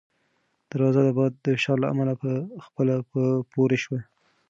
دروازه د باد د فشار له امله په خپله پورې شوه.